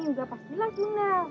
udah pastilah sunda